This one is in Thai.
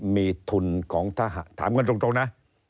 มีทุนของทหารถามกันตรงนะ